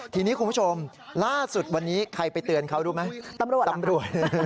ทีนี้คุณผู้ชมล่าสุดวันนี้ใครไปเตือนเขารู้ไหมตำรวจตำรวจ